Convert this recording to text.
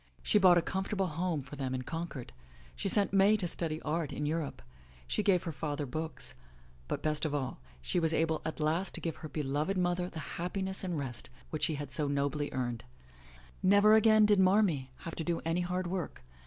She bought a comfortable home for them in Concord, she sent May to study art in Europe, she gave her father books, but best of all, she was able at last to give her beloved mother the happiness and rest which she had so nobly earned. Never again did *'Marmee" have to do any hard work.